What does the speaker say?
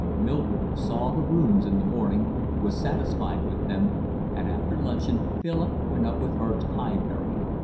Mildred saw the rooms in the morning, was satisfied with them, and after luncheon Philip went up with her to Highbury.